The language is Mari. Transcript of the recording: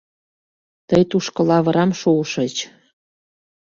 Тый тушко лавырам шуышыч...